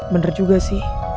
bener juga sih